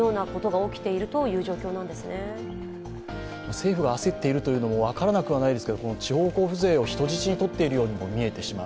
政府が焦っているというのも分からなくはないですけれども、地方交付税を人質に取っているようにも見えてしまう。